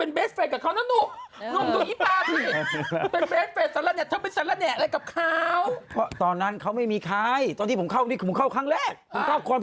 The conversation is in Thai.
นั่นไงตอนนั้นเธอเป็นเบสเฟรนด์กับเขาน่ะนุ่ม